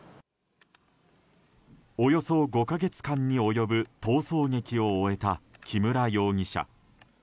およそ５か月間に及ぶ逃走劇を終えた木村容疑者。